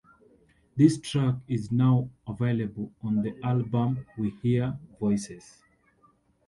This track is now available on the album 'We Hear Voices'.